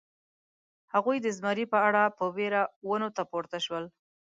هغوی د زمري په اړه په وېره ونو ته پورته شول.